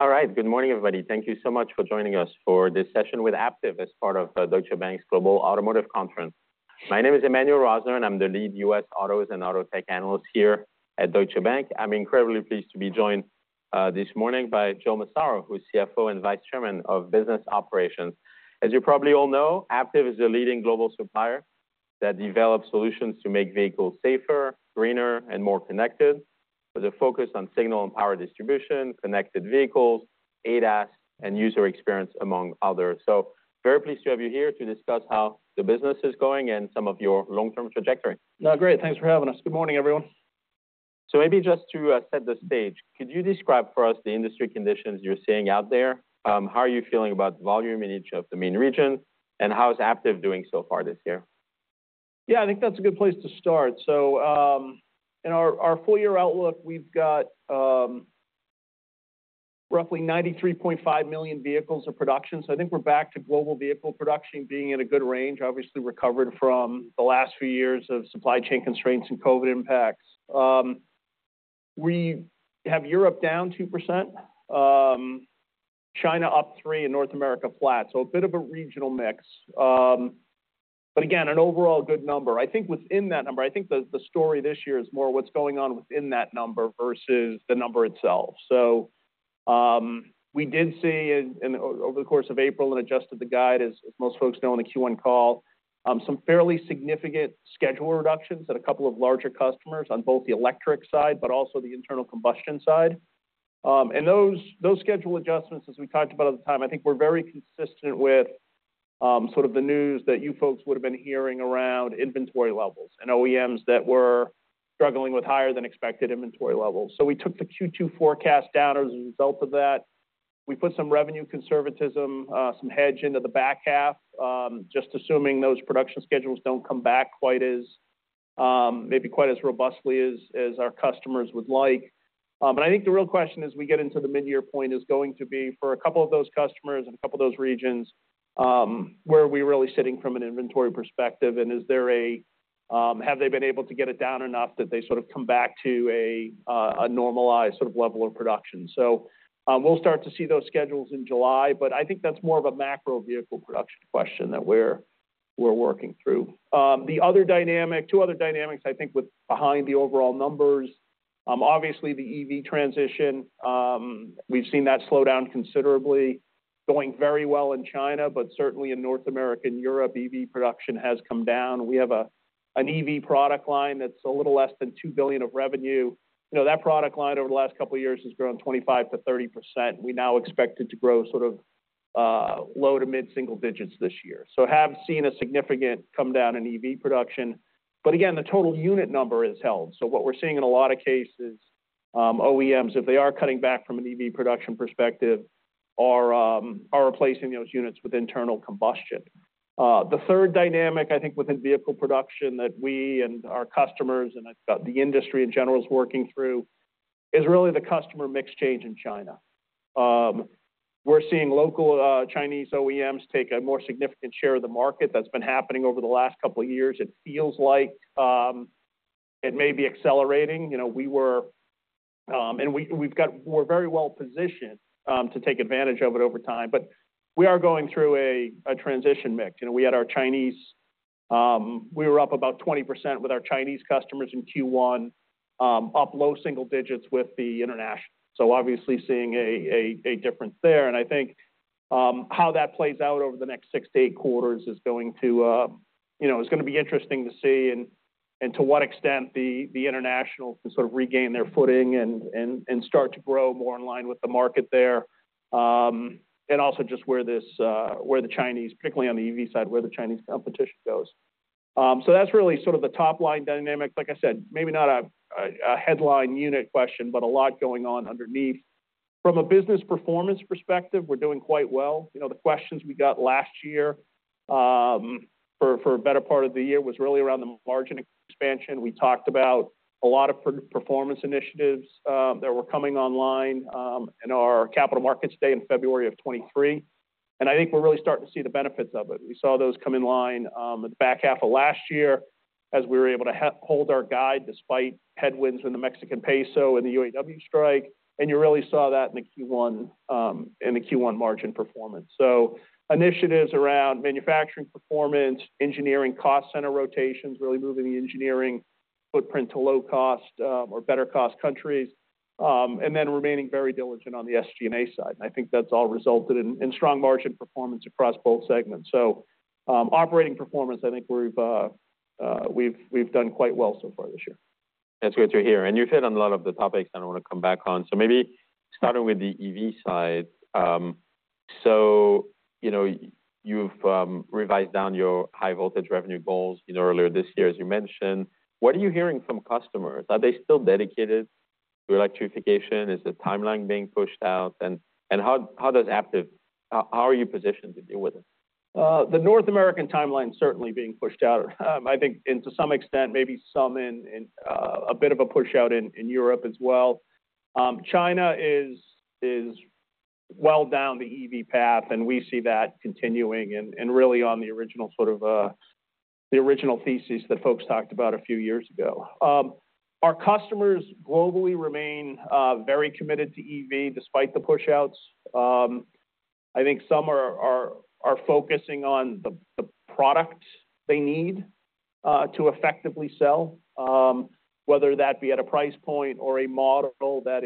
All right. Good morning, everybody. Thank you so much for joining us for this session with Aptiv as part of Deutsche Bank's Global Automotive Conference. My name is Emmanuel Rosner, and I'm the lead U.S. autos and auto tech analyst here at Deutsche Bank. I'm incredibly pleased to be joined this morning by Joe Massaro, who's CFO and Vice Chairman of Business Operations. As you probably all know, Aptiv is a leading global supplier that develops solutions to make vehicles safer, greener, and more connected, with a focus on signal and power distribution, connected vehicles, ADAS, and user experience, among others. So very pleased to have you here to discuss how the business is going and some of your long-term trajectory. No, great. Thanks for having us. Good morning, everyone. So maybe just to set the stage, could you describe for us the industry conditions you're seeing out there? How are you feeling about the volume in each of the main regions, and how is Aptiv doing so far this year? Yeah, I think that's a good place to start. So, in our full year outlook, we've got roughly 93.5 million vehicles of production. So I think we're back to global vehicle production being in a good range, obviously recovered from the last few years of supply chain constraints and COVID impacts. We have Europe down 2%, China up 3%, and North America flat, so a bit of a regional mix. But again, an overall good number. I think within that number, the story this year is more what's going on within that number versus the number itself. So, we did see in over the course of April and adjusted the guide, as most folks know, in the Q1 call, some fairly significant schedule reductions at a couple of larger customers on both the electric side but also the internal combustion side. Those schedule adjustments, as we talked about at the time, I think were very consistent with sort of the news that you folks would have been hearing around inventory levels and OEMs that were struggling with higher than expected inventory levels. So we took the Q2 forecast down as a result of that. We put some revenue conservatism, some hedge into the back half, just assuming those production schedules don't come back quite as maybe quite as robustly as our customers would like. But I think the real question as we get into the midyear point is going to be for a couple of those customers and a couple of those regions, where are we really sitting from an inventory perspective, and is there a, have they been able to get it down enough that they sort of come back to a normalized sort of level of production? So, we'll start to see those schedules in July, but I think that's more of a macro vehicle production question that we're, we're working through. The other dynamic, two other dynamics, I think with behind the overall numbers, obviously, the EV transition, we've seen that slow down considerably, going very well in China, but certainly in North America and Europe, EV production has come down. We have an EV product line that's a little less than $2 billion of revenue. You know, that product line over the last couple of years has grown 25%-30%. We now expect it to grow low to mid single digits this year. So have seen a significant come down in EV production, but again, the total unit number is held. So what we're seeing in a lot of cases, OEMs, if they are cutting back from an EV production perspective, are replacing those units with internal combustion. The third dynamic, I think, within vehicle production that we and our customers, and I thought the industry in general is working through, is really the customer mix change in China. We're seeing local Chinese OEMs take a more significant share of the market. That's been happening over the last couple of years. It feels like, it may be accelerating. You know, we were and we, we've got we're very well positioned to take advantage of it over time, but we are going through a transition mix. You know, we had our Chinese we were up about 20% with our Chinese customers in Q1, up low single digits with the international. So obviously seeing a difference there. I think, how that plays out over the next 6-8 quarters is going to, you know, is gonna be interesting to see and, and start to grow more in line with the market there. Also just where this, where the Chinese, particularly on the EV side, where the Chinese competition goes. So that's really sort of the top-line dynamic. Like I said, maybe not a headline unit question, but a lot going on underneath. From a business performance perspective, we're doing quite well. You know, the questions we got last year, for a better part of the year was really around the margin expansion. We talked about a lot of performance initiatives, that were coming online, in our Capital Markets Day in February of 2023, and I think we're really starting to see the benefits of it. We saw those come in line, at the back half of last year as we were able to hold our guide despite headwinds in the Mexican peso and the UAW strike, and you really saw that in the Q1, in the Q1 margin performance. Initiatives around manufacturing performance, engineering cost center rotations, really moving the engineering footprint to low cost, or better cost countries, and then remaining very diligent on the SG&A side. I think that's all resulted in, in strong margin performance across both segments. Operating performance, I think we've, we've done quite well so far this year. That's good to hear, and you've hit on a lot of the topics that I want to come back on. So maybe starting with the EV side, so, you know, you've revised down your high voltage revenue goals, you know, earlier this year, as you mentioned. What are you hearing from customers? Are they still dedicated to electrification? Is the timeline being pushed out and how does Aptiv... How are you positioned to deal with it? The North American timeline's certainly being pushed out. I think, and to some extent, maybe some in a bit of a pushout in Europe as well. China is well down the EV path, and we see that continuing and really on the original thesis that folks talked about a few years ago. Our customers globally remain very committed to EV despite the pushouts. I think some are focusing on the product they need to effectively sell, whether that be at a price point or a model that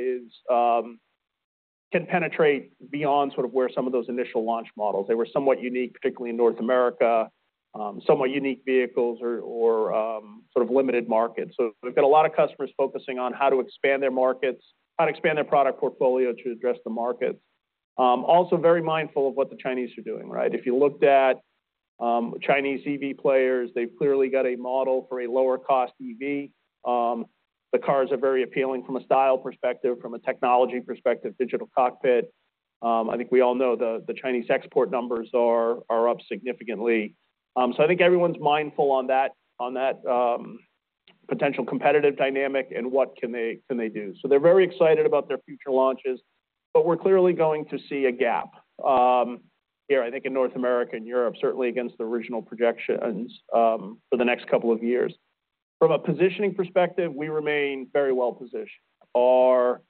can penetrate beyond sort of where some of those initial launch models. They were somewhat unique, particularly in North America, somewhat unique vehicles or sort of limited markets. So we've got a lot of customers focusing on how to expand their markets, how to expand their product portfolio to address the markets. Also very mindful of what the Chinese are doing, right? If you looked at Chinese EV players, they've clearly got a model for a lower-cost EV. The cars are very appealing from a style perspective, from a technology perspective, digital cockpit. I think we all know the Chinese export numbers are up significantly. So I think everyone's mindful on that, on that potential competitive dynamic and what can they do? So they're very excited about their future launches, but we're clearly going to see a gap here, I think, in North America and Europe, certainly against the original projections for the next couple of years. From a positioning perspective, we remain very well-positioned. Our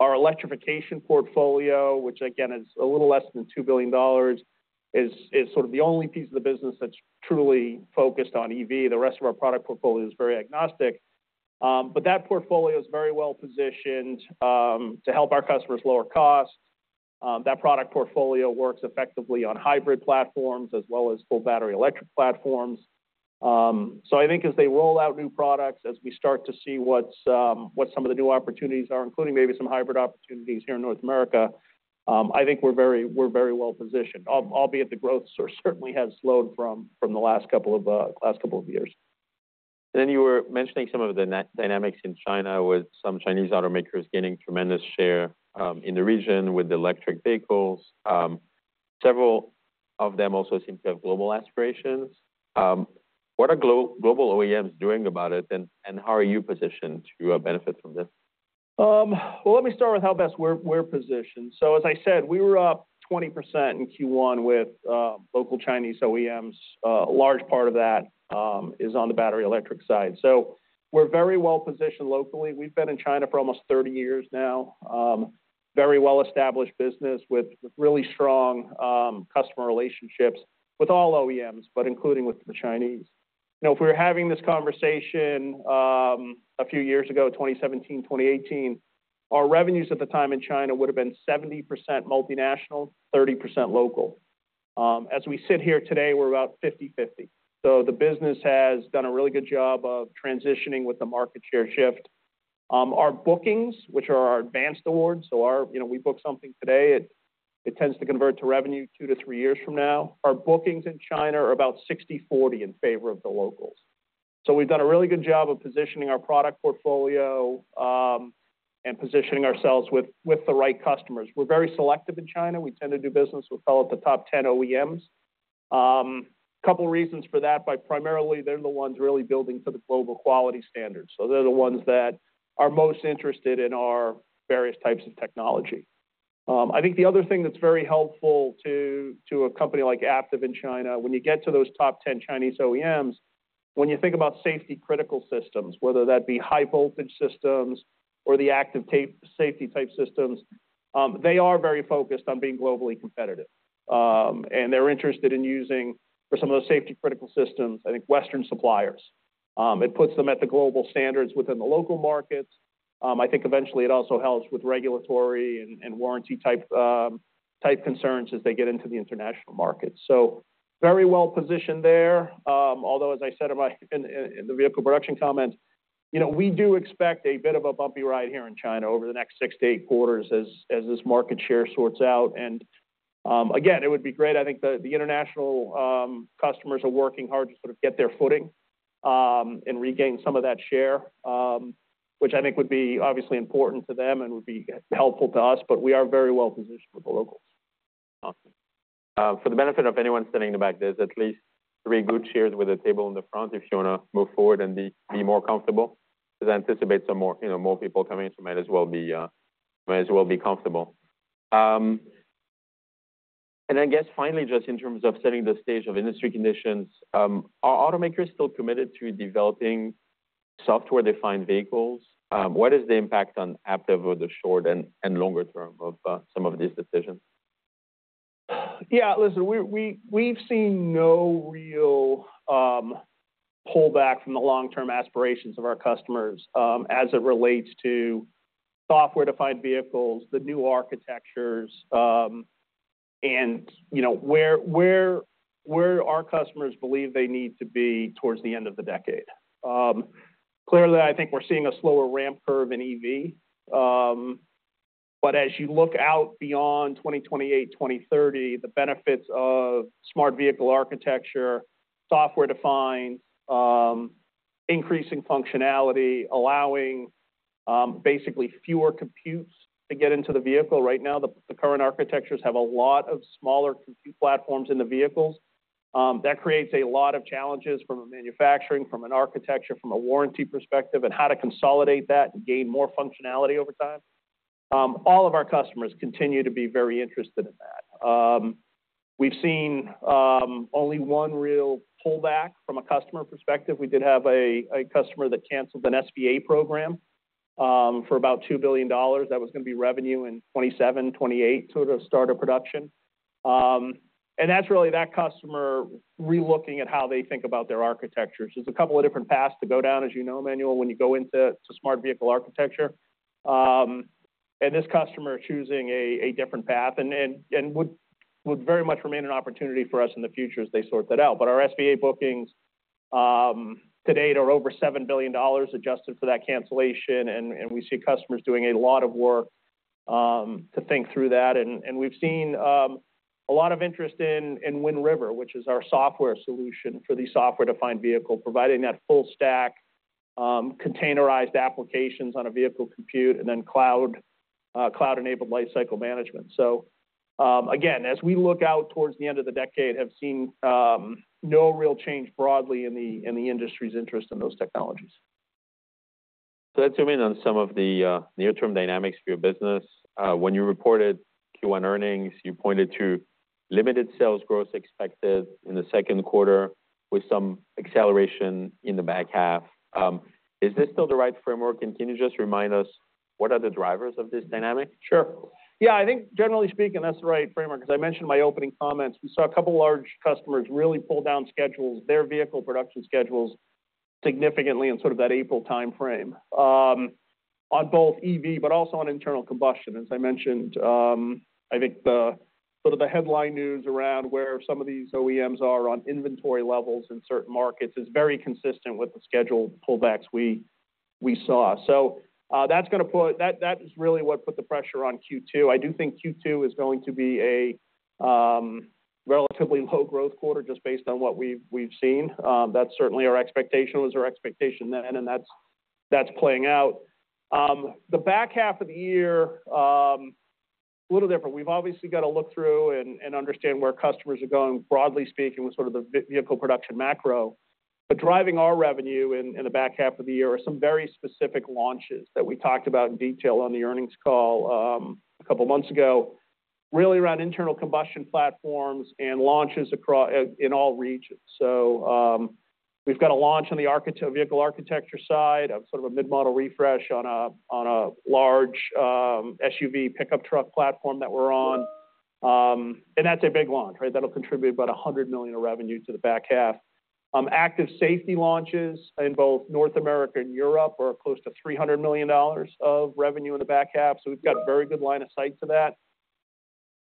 electrification portfolio, which again, is a little less than $2 billion, is sort of the only piece of the business that's truly focused on EV. The rest of our product portfolio is very agnostic. But that portfolio is very well-positioned to help our customers lower costs. That product portfolio works effectively on hybrid platforms as well as full battery electric platforms. So I think as they roll out new products, as we start to see what's what some of the new opportunities are, including maybe some hybrid opportunities here in North America, I think we're very, we're very well-positioned. Albeit the growth source certainly has slowed from the last couple of years. Then you were mentioning some of the net dynamics in China, with some Chinese automakers gaining tremendous share in the region with electric vehicles. Several of them also seem to have global aspirations. What are global OEMs doing about it, and how are you positioned to benefit from this? Well, let me start with how best we're positioned. So as I said, we were up 20% in Q1 with local Chinese OEMs. A large part of that is on the battery electric side. So we're very well positioned locally. We've been in China for almost 30 years now. Very well-established business with really strong customer relationships with all OEMs, but including with the Chinese. You know, if we were having this conversation a few years ago, 2017, 2018, our revenues at the time in China would have been 70% multinational, 30% local. As we sit here today, we're about 50/50. So the business has done a really good job of transitioning with the market share shift. Our bookings, which are our advanced awards, so our—you know, we book something today, it tends to convert to revenue 2-3 years from now. Our bookings in China are about 60/40 in favor of the locals. So we've done a really good job of positioning our product portfolio, and positioning ourselves with, with the right customers. We're very selective in China. We tend to do business with all of the top 10 OEMs. A couple of reasons for that, but primarily, they're the ones really building to the global quality standards, so they're the ones that are most interested in our various types of technology. I think the other thing that's very helpful to a company like Aptiv in China, when you get to those top 10 Chinese OEMs, when you think about safety-critical systems, whether that be high-voltage systems or Active Safety-type systems, they are very focused on being globally competitive and they're interested in using, for some of those safety-critical systems, I think, Western suppliers. It puts them at the global standards within the local markets. I think eventually it also helps with regulatory and warranty-type type concerns as they get into the international markets. So very well positioned there. Although, as I said, in my vehicle production comment, you know, we do expect a bit of a bumpy ride here in China over the next 6-8 quarters as this market share sorts out. Again, it would be great. I think the international customers are working hard to sort of get their footing, and regain some of that share, which I think would be obviously important to them and would be helpful to us, but we are very well positioned with the locals. Awesome. For the benefit of anyone sitting in the back, there's at least three good chairs with a table in the front if you wanna move forward and be more comfortable, because I anticipate some more, you know, more people coming, so might as well be comfortable. I guess finally, just in terms of setting the stage of industry conditions, are automakers still committed to developing software-defined vehicles? What is the impact on Aptiv over the short and longer term of some of these decisions? Yeah, listen, we've seen no real pullback from the long-term aspirations of our customers, as it relates to software-defined vehicles, the new architectures, and, you know, where our customers believe they need to be towards the end of the decade. Clearly, I think we're seeing a slower ramp curve in EV. But as you look out beyond 2028, 2030, the benefits of Smart Vehicle Architecture, software-defined, increasing functionality, allowing basically fewer computes to get into the vehicle. Right now, the current architectures have a lot of smaller compute platforms in the vehicles. That creates a lot of challenges from a manufacturing, from an architecture, from a warranty perspective, and how to consolidate that and gain more functionality over time. All of our customers continue to be very interested in that. We've seen only one real pullback from a customer perspective. We did have a customer that canceled an SVA program for about $2 billion. That was gonna be revenue in 2027, 2028, sort of start of production. That's really that customer relooking at how they think about their architectures. There's a couple of different paths to go down, as you know, Emmanuel, when you go into Smart Vehicle Architecture. This customer choosing a different path, and would very much remain an opportunity for us in the future as they sort that out. But our SVA bookings to-date are over $7 billion, adjusted for that cancellation, and we see customers doing a lot of work to think through that. We've seen a lot of interest in Wind River, which is our software solution for the software-defined vehicle, providing that full stack, containerized applications on a vehicle compute, and then cloud-enabled lifecycle management. So, again, as we look out towards the end of the decade, have seen no real change broadly in the industry's interest in those technologies. Let's zoom in on some of the near-term dynamics for your business. When you reported Q1 earnings, you pointed to limited sales growth expected in the second quarter, with some acceleration in the back half. Is this still the right framework and can you just remind us, what are the drivers of this dynamic? Sure. Yeah, I think generally speaking, that's the right framework, 'cause I mentioned in my opening comments, we saw a couple large customers really pull down schedules, their vehicle production schedules, significantly in sort of that April timeframe. On both EV, but also on internal combustion. As I mentioned, I think the, sort of the headline news around where some of these OEMs are on inventory levels in certain markets is very consistent with the scheduled pullbacks we saw. So, that's gonna put that, that is really what put the pressure on Q2. I do think Q2 is going to be a relatively low growth quarter, just based on what we've seen. That's certainly our expectation, was our expectation then, and that's playing out. The back half of the year, a little different. We've obviously got to look through and understand where customers are going, broadly speaking, with sort of the vehicle production macro. But driving our revenue in the back half of the year are some very specific launches that we talked about in detail on the earnings call a couple months ago, really around internal combustion platforms and launches in all regions. So we've got a launch on the vehicle architecture side, a sort of a mid-model refresh on a large SUV pickup truck platform that we're on, and that's a big launch, right? That'll contribute about $100 million of revenue to the back half. Active Safety launches in both North America and Europe are close to $300 million of revenue in the back half, so we've got a very good line of sight to that.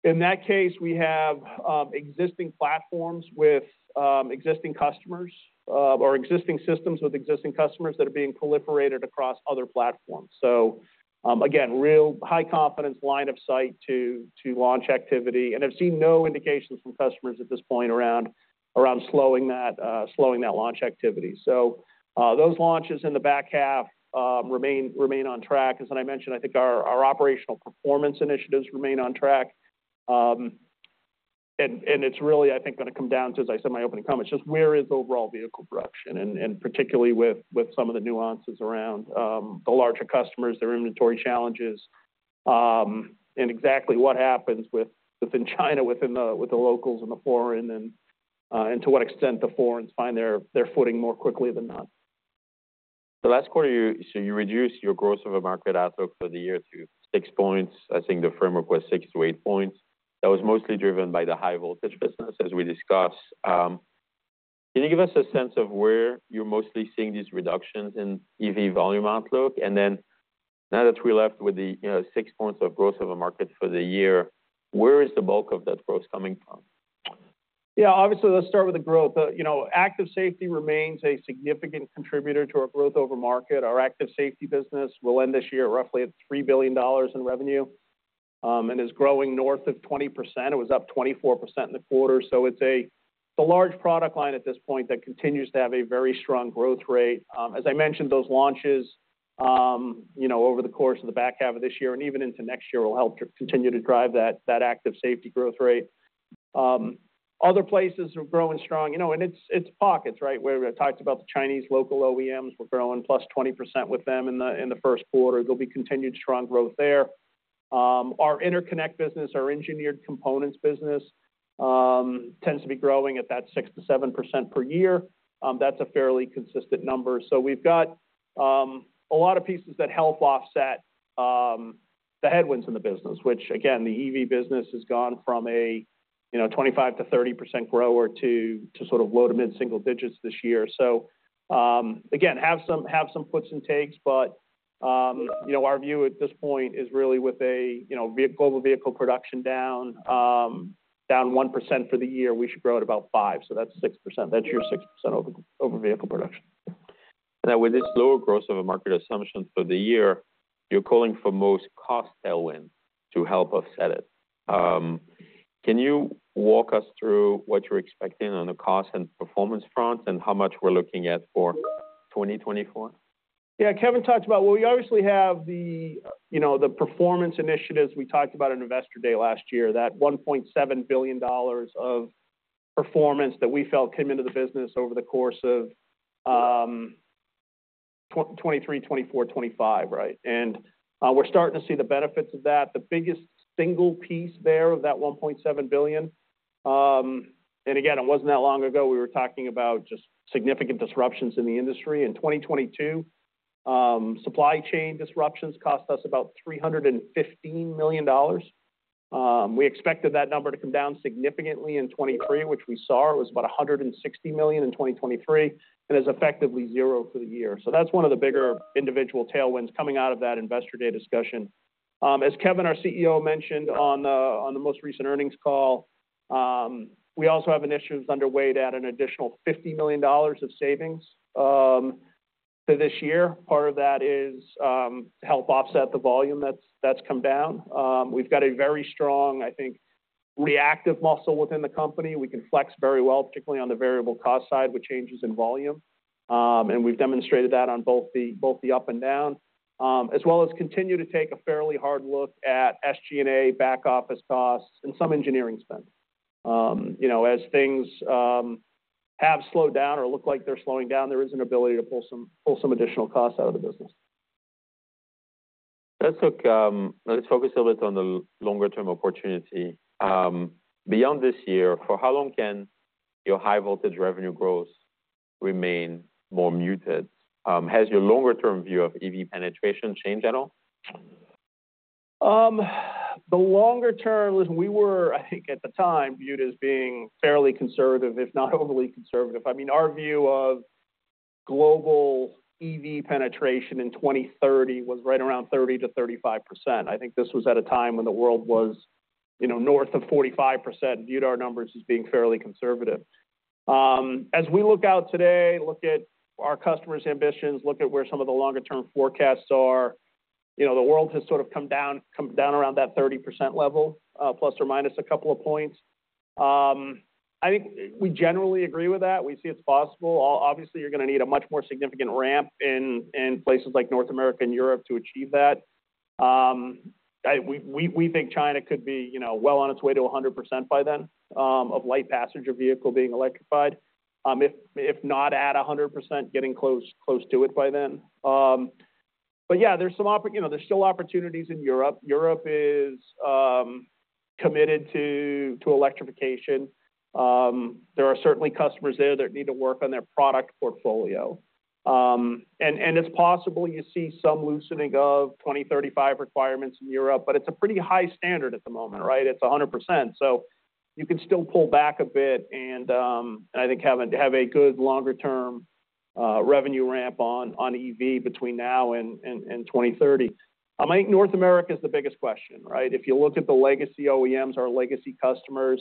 In that case, we have existing platforms with existing customers or existing systems with existing customers that are being proliferated across other platforms. So, again, real high confidence line of sight to launch activity, and I've seen no indications from customers at this point around slowing that launch activity. So, those launches in the back half remain on track. As I mentioned, I think our operational performance initiatives remain on track and it's really, I think, gonna come down to, as I said in my opening comments, just where is overall vehicle production? Particularly with some of the nuances around the larger customers, their inventory challenges, and exactly what happens within China, with the locals and the foreign, and to what extent the foreigners find their footing more quickly than not. So last quarter, you reduced your Growth Over Market outlook for the year to six points. I think the framework was 6-8 points. That was mostly driven by the high-voltage business, as we discussed. Can you give us a sense of where you're mostly seeing these reductions in EV volume outlook? Then now that we're left with the, you know, six points of Growth Over Market for the year, where is the bulk of that growth coming from? Yeah, obviously, let's start with the growth. You Active Safety remains a significant contributor to our Growth Over Market. Active Safety business will end this year roughly at $3 billion in revenue, and is growing north of 20%. It was up 24% in the quarter, so it's a, it's a large product line at this point that continues to have a very strong growth rate. As I mentioned, those launches, you know, over the course of the back half of this year and even into next year, will help to continue to drive that, Active Safety growth rate. Other places are growing strong. You know, and it's, it's pockets, right? Where we talked about the Chinese local OEMs, we're growing +20% with them in the, in the first quarter. There'll be continued strong growth there. Our interconnect business, our engineered components business, tends to be growing at that 6%-7% per year. That's a fairly consistent number. So we've got a lot of pieces that help offset the headwinds in the business, which again, the EV business has gone from you know, 25%-30% grower to sort of low to mid single digits this year. So, again, have some puts and takes, but, you know, our view at this point is really with you know, global vehicle production down 1% for the year, we should grow at about 5%, so that's 6%. That's your 6% over vehicle production. Now, with this lower Growth Over Market assumption for the year, you're calling for most cost tailwind to help offset it. Can you walk us through what you're expecting on the cost and performance front, and how much we're looking at for 2024? Yeah, Kevin talked about... Well, we obviously have the, you know, the performance initiatives we talked about on Investor Day last year, that $1.7 billion of performance that we felt came into the business over the course of, 2023, 2024, 2025, right? We're starting to see the benefits of that. The biggest single piece there of that $1.7 billion, and again, it wasn't that long ago, we were talking about just significant disruptions in the industry. In 2022, supply chain disruptions cost us about $315 million. We expected that number to come down significantly in 2023, which we saw. It was about $160 million in 2023, and is effectively zero for the year. So that's one of the bigger individual tailwinds coming out of that Investor Day discussion. As Kevin, our CEO, mentioned on the most recent earnings call, we also have initiatives underway to add an additional $50 million of savings to this year. Part of that is to help offset the volume that's come down. We've got a very strong, I think, reactive muscle within the company. We can flex very well, particularly on the variable cost side, with changes in volume and we've demonstrated that on both the up and down. As well as continue to take a fairly hard look at SG&A, back office costs, and some engineering spend. You know, as things have slowed down or look like they're slowing down, there is an ability to pull some additional costs out of the business. Let's look, let's focus a bit on the longer-term opportunity. Beyond this year, for how long can your high-voltage revenue growth remain more muted? Has your longer-term view of EV penetration changed at all? The longer term, listen, we were, I think at the time, viewed as being fairly conservative, if not overly conservative. I mean, our view of global EV penetration in 2030 was right around 30%-35%. I think this was at a time when the world was, you know, north of 45%, viewed our numbers as being fairly conservative. As we look out today, look at our customers' ambitions, look at where some of the longer-term forecasts are, you know, the world has sort of come down, come down around that 30% level, ± a couple of points. I think we generally agree with that. We see it's possible. Obviously, you're gonna need a much more significant ramp in places like North America and Europe to achieve that. We think China could be, you know, well on its way to 100% by then of light passenger vehicle being electrified. If not at 100%, getting close to it by then. But yeah, you know, there's still opportunities in Europe. Europe is committed to electrification. There are certainly customers there that need to work on their product portfolio. It's possible you see some loosening of 2035 requirements in Europe, but it's a pretty high standard at the moment, right? It's 100%. So you can still pull back a bit and I think have a good longer-term revenue ramp on EV between now and 2030. I think North America is the biggest question, right? If you look at the legacy OEMs, our legacy customers,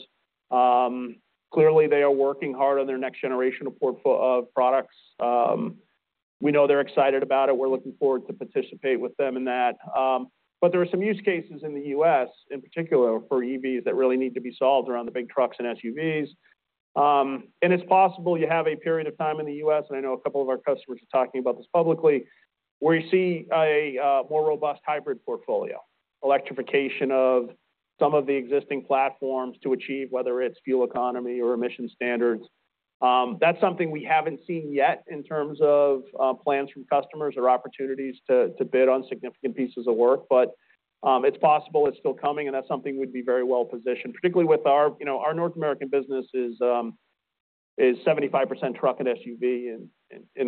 clearly, they are working hard on their next generation of portfolio of products. We know they're excited about it. We're looking forward to participate with them in that. But there are some use cases in the U.S., in particular, for EVs, that really need to be solved around the big trucks and SUVs. It's possible you have a period of time in the U.S., and I know a couple of our customers are talking about this publicly, where you see a more robust hybrid portfolio. Electrification of some of the existing platforms to achieve, whether it's fuel economy or emission standards. That's something we haven't seen yet in terms of plans from customers or opportunities to bid on significant pieces of work. But, it's possible it's still coming, and that's something we'd be very well-positioned, particularly with our... You know, our North American business is 75% truck and SUV in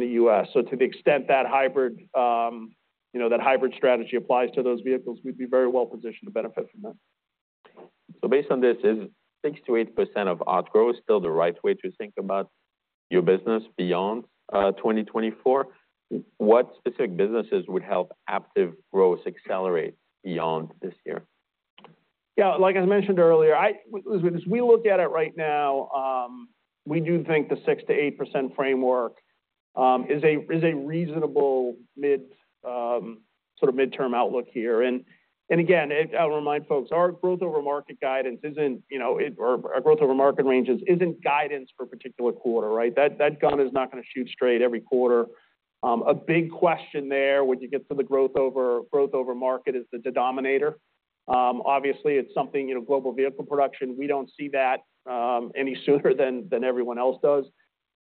the U.S. So to the extent that hybrid, you know, that hybrid strategy applies to those vehicles, we'd be very well-positioned to benefit from that. Based on this, is 6%-8% outgrow still the right way to think about your business beyond 2024? What specific businesses would help active growth accelerate beyond this year? Yeah, like I mentioned earlier, listen, as we look at it right now, we do think the 6%-8% framework is a reasonable mid, sort of midterm outlook here. Again, I'll remind folks, our Growth Over Market guidance isn't, you know, it... Or our Growth Over Market ranges isn't guidance for a particular quarter, right? That, that gun is not gonna shoot straight every quarter. A big question there, when you get to the growth over, Growth Over Market, is the denominator. Obviously, it's something, you know, global vehicle production, we don't see that any sooner than everyone else does.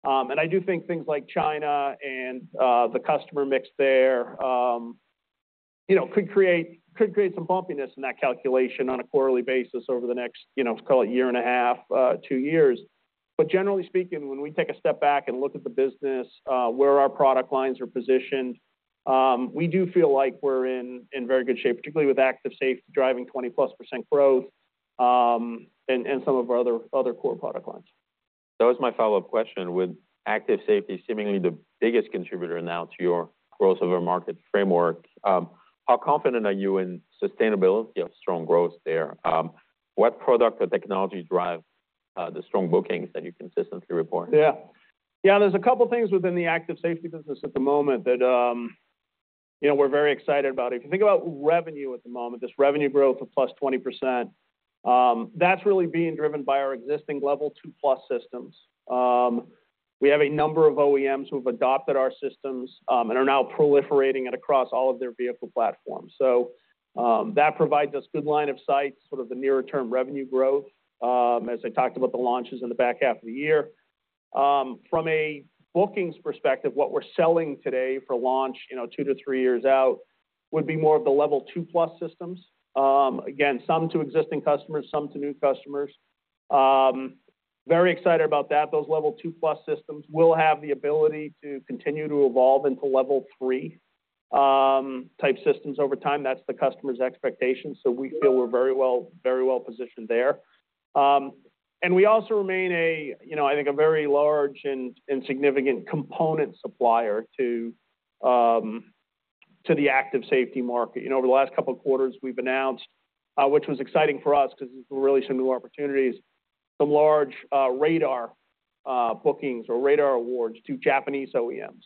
I do think things like China and the customer mix there, you know, could create some bumpiness in that calculation on a quarterly basis over the next, you know, call it year and a half, two years. But generally speaking, when we take a step back and look at the business, where our product lines are positioned, we do feel like we're in very good shape, particularly Active Safety driving 20%+ growth, and some of our other core product lines. That was my follow-up question. Active Safety seemingly the biggest contributor now to your Growth Over Market framework, how confident are you in sustainability of strong growth there? What product or technology drive the strong bookings that you consistently report? Yeah. Yeah, there's a couple things within Active Safety business at the moment that, you know, we're very excited about. If you think about revenue at the moment, this revenue growth of +20%, that's really being driven by our existing Level 2+ systems. We have a number of OEMs who have adopted our systems, and are now proliferating it across all of their vehicle platforms. So, that provides us good line of sight, sort of the nearer-term revenue growth, as I talked about the launches in the back half of the year. From a bookings perspective, what we're selling today for launch, you know, 2-3 years out, would be more of the Level 2+ systems. Again, some to existing customers, some to new customers. Very excited about that. Those Level 2+ systems will have the ability to continue to evolve into Level 3 type systems over time. That's the customer's expectation, so we feel we're very well, very well-positioned there. We also remain a, you know, I think, a very large and significant component supplier to Active Safety market. You know, over the last couple of quarters, we've announced, which was exciting for us because these were really some new opportunities, some large radar bookings or radar awards to Japanese OEMs.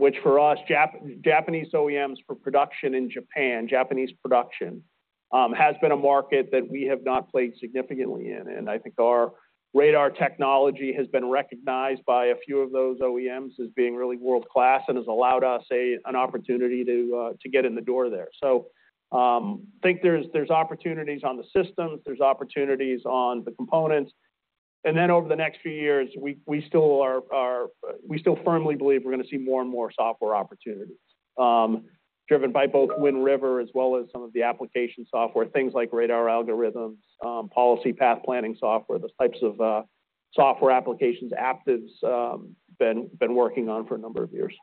Which for us, Japanese OEMs for production in Japan, Japanese production, has been a market that we have not played significantly in. I think our radar technology has been recognized by a few of those OEMs as being really world-class and has allowed us an opportunity to get in the door there. So, think there's opportunities on the systems, there's opportunities on the components. Then over the next few years, we still firmly believe we're gonna see more and more software opportunities, driven by both Wind River as well as some of the application software, things like radar algorithms, policy path planning software, those types of software applications, Aptiv's been working on for a number of years.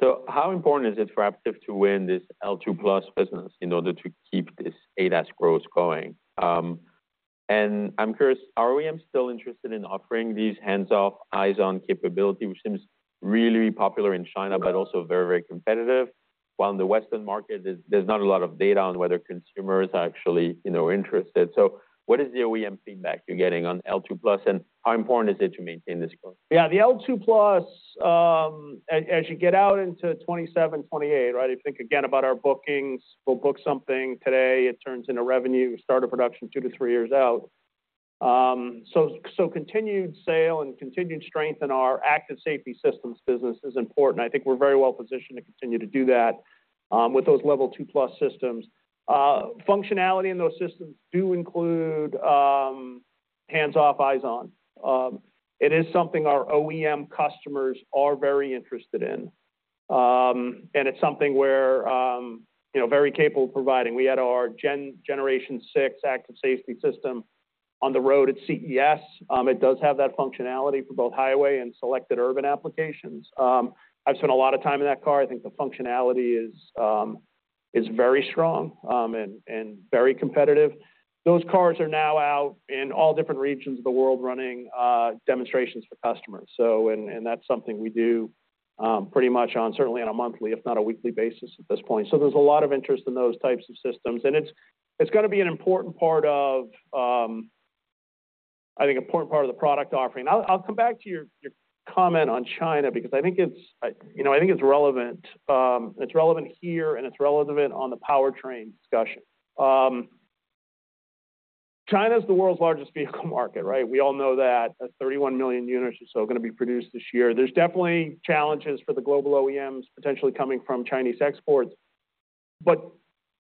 So how important is it for Aptiv to win this L2+ business in order to keep this ADAS growth going? I'm curious, are OEMs still interested in offering these hands-off, eyes-on capability, which seems really popular in China, but also very, very competitive? While in the Western market, there's not a lot of data on whether consumers are actually, you know, interested. So what is the OEM feedback you're getting on L2+, and how important is it to maintain this growth? Yeah, the L2+, as you get out into 2027, 2028, right? If you think again about our bookings, we'll book something today, it turns into revenue, start a production 2-3 years out. So continued sale and continued strength in Active Safety systems business is important. I think we're very well-positioned to continue to do that, with those Level 2+ systems. Functionality in those systems do include hands-off, eyes-on. It is something our OEM customers are very interested in and it's something we're, you know, very capable of providing. We had our Generation 6 Active Safety system on the road at CES. It does have that functionality for both highway and selected urban applications. I've spent a lot of time in that car. I think the functionality is very strong and very competitive. Those cars are now out in all different regions of the world, running demonstrations for customers. So that's something we do pretty much on, certainly on a monthly, if not a weekly basis at this point. So there's a lot of interest in those types of systems, and it's gonna be an important part of, I think, important part of the product offering. I'll come back to your comment on China, because I think it's, you know, I think it's relevant. It's relevant here, and it's relevant on the powertrain discussion. China is the world's largest vehicle market, right? We all know that. 31 million units or so are gonna be produced this year. There's definitely challenges for the global OEMs, potentially coming from Chinese exports, but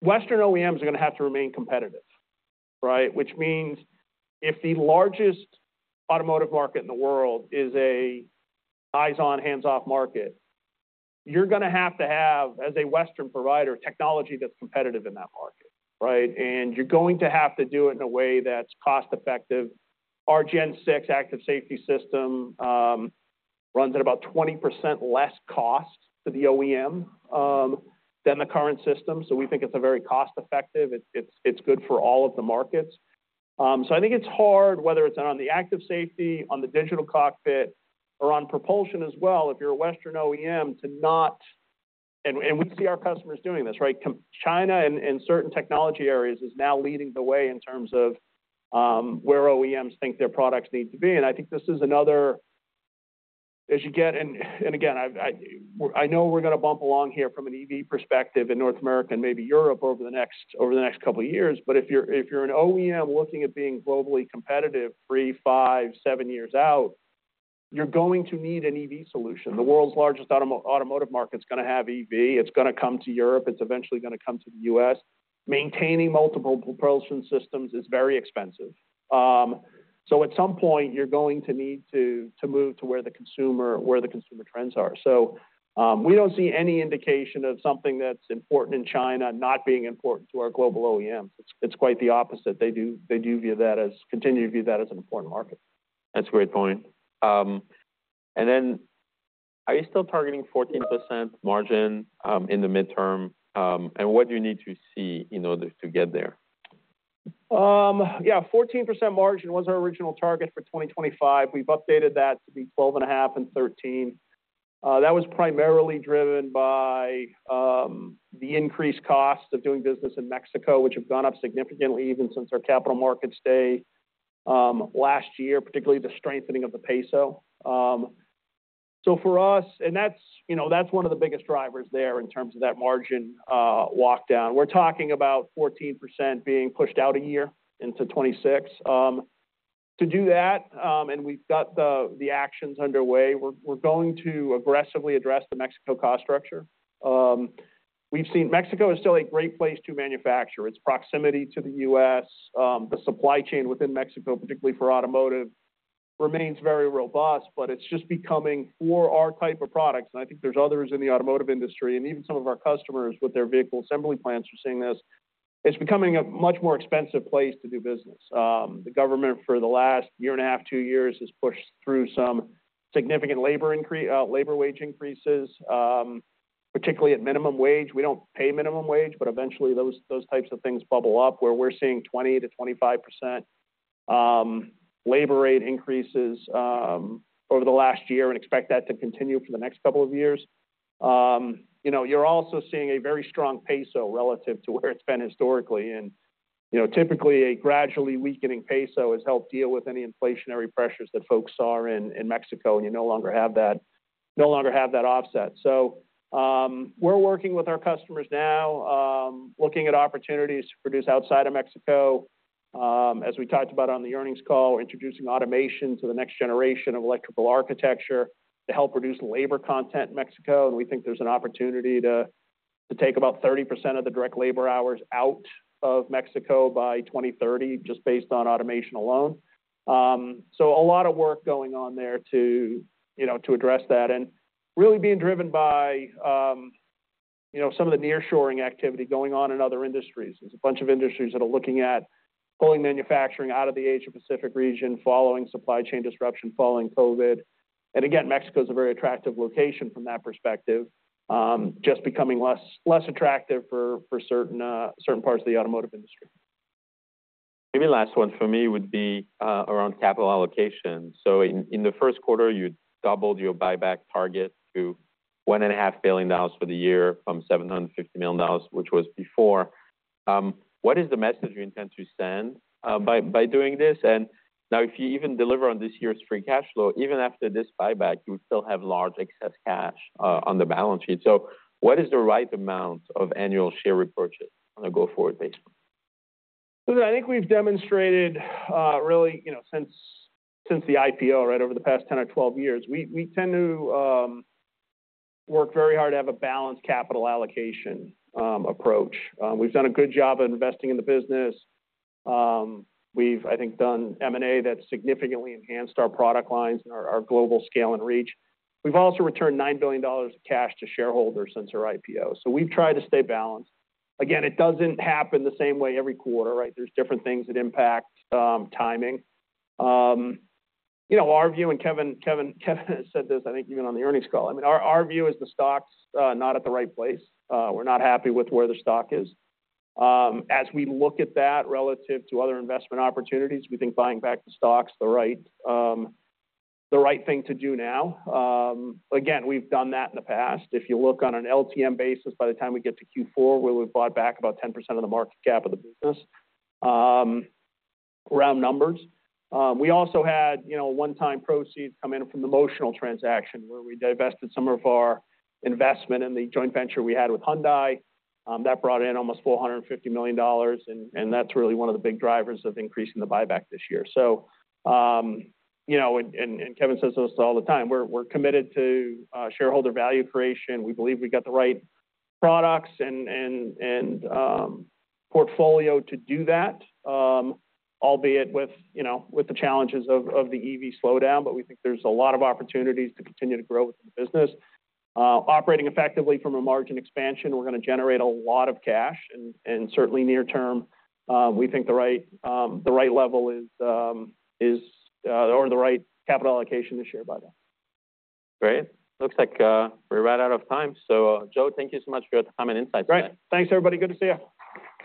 Western OEMs are gonna have to remain competitive, right? Which means if the largest automotive market in the world is a eyes-on, hands-off market, you're gonna have to have, as a Western provider, technology that's competitive in that market, right? You're going to have to do it in a way that's cost-effective. Our Gen 6 Active Safety system runs at about 20% less cost to the OEM than the current system, so we think it's a very cost-effective. It's good for all of the markets. So I think it's hard, whether it's on Active Safety, on the digital cockpit, or on propulsion as well, if you're a Western OEM, to not... And we see our customers doing this, right? China, in certain technology areas, is now leading the way in terms of where OEMs think their products need to be. I think this is another, and again, I know we're gonna bump along here from an EV perspective in North America and maybe Europe over the next couple of years. But if you're an OEM looking at being globally competitive, three, five, seven years out, you're going to need an EV solution. The world's largest automotive market is gonna have EV. It's gonna come to Europe. It's eventually gonna come to the U.S. Maintaining multiple propulsion systems is very expensive. So at some point, you're going to need to move to where the consumer trends are. So, we don't see any indication of something that's important in China not being important to our global OEMs. It's quite the opposite. They do continue to view that as an important market. That's a great point. Then are you still targeting 14% margin in the midterm? What do you need to see in order to get there? Yeah, 14% margin was our original target for 2025. We've updated that to be 12.5%-13%. That was primarily driven by the increased costs of doing business in Mexico, which have gone up significantly even since our Capital Markets Day last year, particularly the strengthening of the peso. So for us, and that's, you know, that's one of the biggest drivers there in terms of that margin walk down. We're talking about 14% being pushed out a year into 2026. To do that, and we've got the actions underway, we're going to aggressively address the Mexico cost structure. We've seen Mexico is still a great place to manufacture. Its proximity to the U.S., the supply chain within Mexico, particularly for automotive, remains very robust, but it's just becoming for our type of products, and I think there's others in the automotive industry, and even some of our customers with their vehicle assembly plants are seeing this, it's becoming a much more expensive place to do business. The government, for the last year and a half, two years, has pushed through some significant labor wage increases, particularly at minimum wage. We don't pay minimum wage, but eventually, those types of things bubble up, where we're seeing 20%-25% labor rate increases over the last year and expect that to continue for the next couple of years. You know, you're also seeing a very strong peso relative to where it's been historically. You know, typically, a gradually weakening peso has helped deal with any inflationary pressures that folks saw in Mexico, and you no longer have that offset. So, we're working with our customers now, looking at opportunities to produce outside of Mexico. As we talked about on the earnings call, we're introducing automation to the next generation of electrical architecture to help reduce labor content in Mexico, and we think there's an opportunity to take about 30% of the direct labor hours out of Mexico by 2030, just based on automation alone. So a lot of work going on there to, you know, address that, and really being driven by, you know, some of the nearshoring activity going on in other industries. There's a bunch of industries that are looking at pulling manufacturing out of the Asia Pacific region, following supply chain disruption, following COVID. Again, Mexico is a very attractive location from that perspective, just becoming less attractive for certain parts of the automotive industry. Maybe last one for me would be around capital allocation. So in the first quarter, you doubled your buyback target to $1.5 billion for the year from $750 million, which was before. What is the message you intend to send by doing this? Now, if you even deliver on this year's free cash flow, even after this buyback, you would still have large excess cash on the balance sheet. So what is the right amount of annual share repurchase on a go-forward basis? I think we've demonstrated, really, you know, since the IPO, right over the past 10 or 12 years, we tend to work very hard to have a balanced capital allocation approach. We've done a good job of investing in the business. We've, I think, done M&A that significantly enhanced our product lines and our global scale and reach. We've also returned $9 billion of cash to shareholders since our IPO, so we've tried to stay balanced. Again, it doesn't happen the same way every quarter, right? There's different things that impact timing. You know, our view, and Kevin said this, I think, even on the earnings call. I mean, our view is the stock's not at the right place. We're not happy with where the stock is. As we look at that relative to other investment opportunities, we think buying back the stock's the right, the right thing to do now. Again, we've done that in the past. If you look on an LTM basis, by the time we get to Q4, where we've bought back about 10% of the market cap of the business, around numbers. We also had, you know, one-time proceeds come in from the Motional transaction, where we divested some of our investment in the joint venture we had with Hyundai. That brought in almost $450 million, and that's really one of the big drivers of increasing the buyback this year. So, you know, and Kevin says this all the time, we're committed to shareholder value creation. We believe we've got the right products and portfolio to do that, Albeit with, you know, with the challenges of the EV slowdown, but we think there's a lot of opportunities to continue to grow the business. Operating effectively from a margin expansion, we're gonna generate a lot of cash, and certainly near term, we think the right level is or the right capital allocation to share buyback. Great. Looks like we're right out of time. So, Joe, thank you so much for your time and insights. Great. Thanks, everybody. Good to see you.